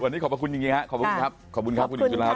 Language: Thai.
วันนี้ขอบคุณจริงครับขอบคุณคุณคุณสุรค่ะ